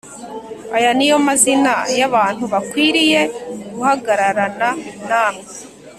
Aya ni yo mazina y’abantu bakwiriye guhagararana namwe